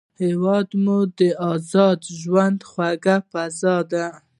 هیواد مې د ازاد ژوند خوږه فضا ده